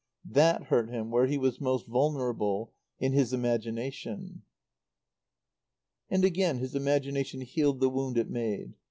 That hurt him where he was most vulnerable in his imagination. And again, his imagination healed the wound it made.